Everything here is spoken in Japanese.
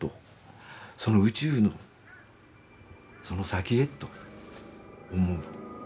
その宇宙のその先へと思う。